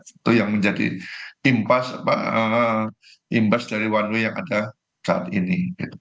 itu yang menjadi imbas dari one way yang ada saat ini